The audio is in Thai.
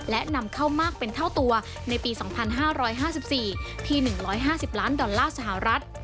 และนำเข้ามากเป็นเท่าตัวในปี๒๕๕๔ที่๑๕๐ล้านดอลลาร์สหรัฐ